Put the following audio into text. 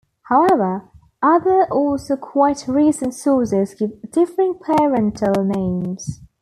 However, other also quite recent sources give differing parental names.